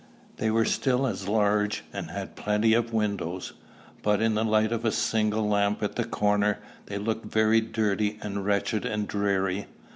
They were still as large, and had plenty of windows; but, in the light of a single lamp at the corner, they looked very dirty and wretched and dreary.